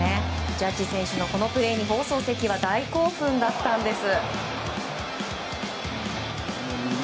ジャッジ選手のこのプレーに放送席は大興奮だったんです。